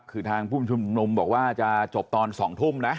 คือทางผู้ชุมนุมบอกว่าจะจบตอน๒ทุ่มนะ